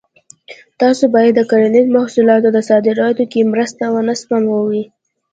تاسو باید د کرنیزو محصولاتو صادراتو کې مرسته ونه سپموئ.